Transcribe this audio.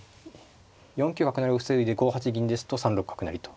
４九角成を防いで５八銀ですと３六角成と。